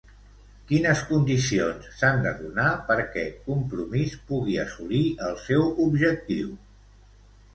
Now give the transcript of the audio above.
Quines condicions s'han de donar perquè Compromís pugui assolir el seu objectiu?